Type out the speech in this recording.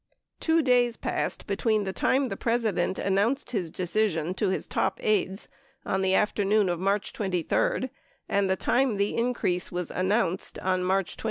Two days passed between the time the President announced his de cision to his top aides on the afternoon of March 23 and the time the increase was announced on March 25.